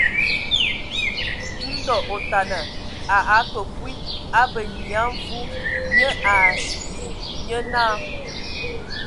Ndɔ otana a ake kwi ábe Nyia Mvi nye ai nye náa.